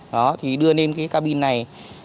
đó thì đưa lên cái cabin này